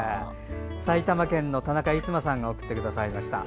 埼玉県の田中逸馬さんが送ってくださいました。